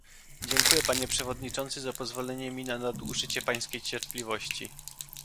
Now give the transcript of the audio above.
Dziękuję panie przewodniczący za pozwolenie mi na nadużycie pańskiej cierpliwości